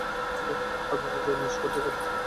আপনার লজ্জায় নিজ কৃতকর্মের জন্যে এমনটি করছি, হে আমার রব!